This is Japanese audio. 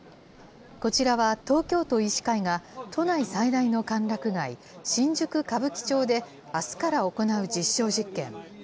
こちらは、東京都医師会が都内最大の歓楽街、新宿・歌舞伎町であすから行う実証実験。